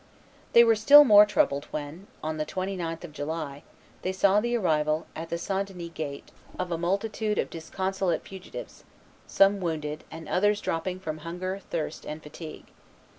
They were still more troubled when, on the 29th of July, they saw the arrival at the St. Denis gate of a multitude of disconsolate fugitives, some wounded, and others dropping from hunger, thirst, and fatigue.